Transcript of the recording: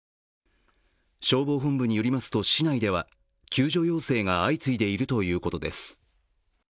消防本部によりますと、市内では救助要請が相次いでいるということです。